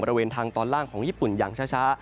บริเวณทางตอนล่างของญี่ปุ่นอย่างช้า